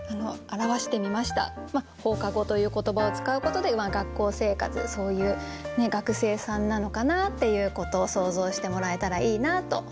「放課後」という言葉を使うことで学校生活そういう学生さんなのかなっていうことを想像してもらえたらいいなと思いました。